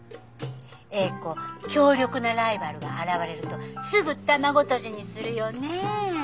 詠子強力なライバルが現れるとすぐ卵とじにするよね。